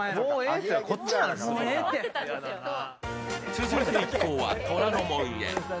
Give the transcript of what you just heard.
続いて一行は虎ノ門へ。